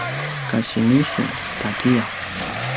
kasinu sun ta tiyaw?